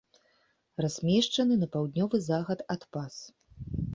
Размешчаны на паўднёвы захад ад пас.